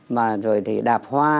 mà rồi thì đạp hoa